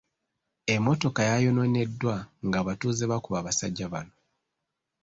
Emmotoka yayonooneddwa ng'abatuuze bakuba abasajja bano.